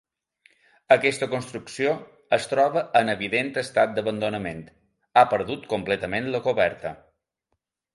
Aquesta construcció es troba en evident estat d'abandonament, ha perdut completament la coberta.